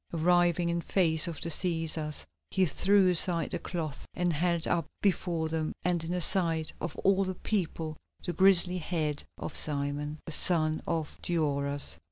Arriving in face of the Cæsars he threw aside the cloth and held up before them and in sight of all the people the grizzly head of Simon, the son of Gioras.